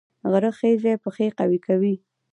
غره خیژي پښې قوي کوي